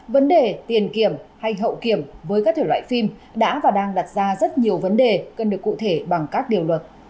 vấn đề tiền kiểm hay hậu kiểm với các thể loại phim đã và đang đặt ra rất nhiều vấn đề cần được cụ thể bằng các điều luật